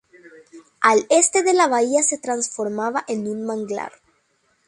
Al este la bahía se transformaba en un manglar.